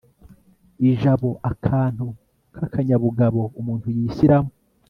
ijabo akantu k'akanyabugabo umuntu yishyiramo